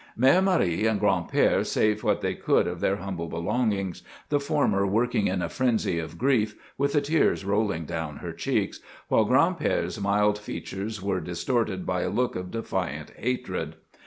Mère Marie and Gran'père saved what they could of their humble belongings, the former working in a frenzy of grief, with the tears rolling down her cheeks, while Gran'père's mild features were distorted by a look of defiant hatred.